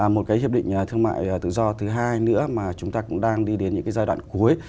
một cái hiệp định thương mại tự do thứ hai nữa mà chúng ta cũng đang đi đến những cái giai đoạn cuối